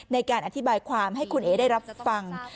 ในการอธิบายความให้คุณเอ๋ได้รับฟัง